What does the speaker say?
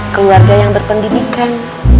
keluarga yang berpendidikan